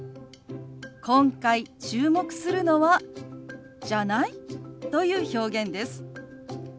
今回注目するのは「じゃない？」という表現です。